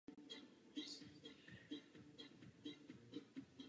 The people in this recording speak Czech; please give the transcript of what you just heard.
Nejvýraznější výhodou je snížení ceny výzkumu.